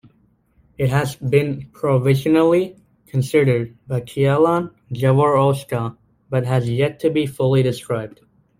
It has been provisionally considered by Kielan-Jaworowska but has yet to be fully described.